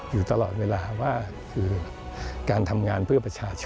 อยู่ตลอดเวลาว่าคือการทำงานเพื่อประชาชน